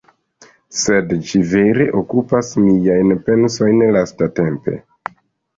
Sed ĝi vere okupas miajn pensojn lastatempe